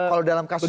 kalau dalam kasus ini